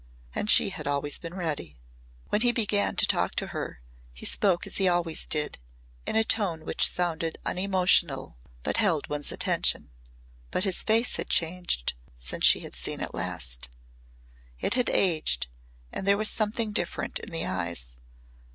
And she had always been ready. When he began to talk to her he spoke as he always did, in a tone which sounded unemotional but held one's attention. But his face had changed since she had last seen it. It had aged and there was something different in the eyes.